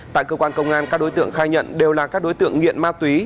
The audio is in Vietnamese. tại cơ quan công an các đối tượng khai nhận đều là các đối tượng nghiện ma túy